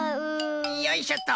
よいしょっと。